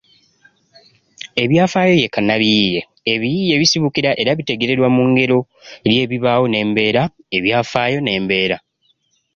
Ebyafaayo ye kannabiyiiye: ebiyiiye bisibukira era bitegeererwa mu ggero ly’obubaawo nnambeera – ebyafaayo nnambeera.